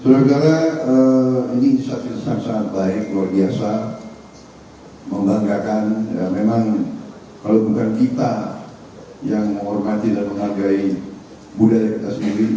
luar biasa membanggakan memang kalau bukan kita yang menghormati dan menghargai budaya kita sendiri